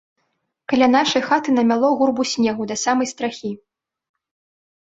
Каля нашай хаты намяло гурбу снегу да самай страхі.